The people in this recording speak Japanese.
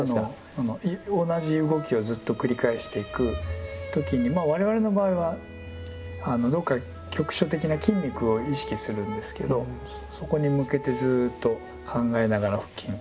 同じ動きをずっと繰り返していく時に我々の場合はどこか局所的な筋肉を意識するんですけどそこに向けてずっと考えながら続けていくとか。